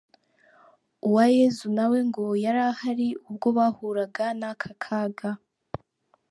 Uwayezu na we ngo yari ahari ubwo bahuraga n’aka kaga.